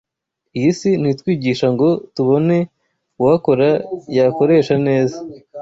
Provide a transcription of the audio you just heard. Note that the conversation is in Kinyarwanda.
Iy’Isi ntitwigisha ngo tubone uwakora yakoresha neza